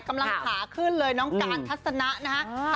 ขาขึ้นเลยน้องการทัศนะนะฮะ